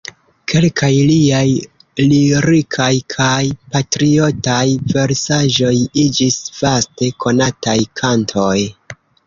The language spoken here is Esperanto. Kelkaj liaj lirikaj kaj patriotaj versaĵoj iĝis vaste konataj kantoj.